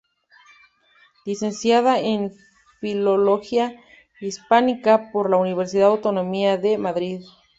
Licenciada en Filología Hispánica por la Universidad Autónoma de Madrid.